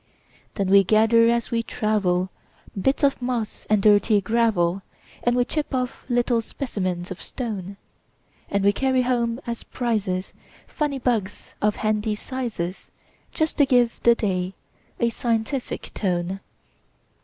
Then we gather as we travel, Bits of moss and dirty gravel, And we chip off little specimens of stone; And we carry home as prizesFunny bugs, of handy sizes, Just to give the day a scientific tone.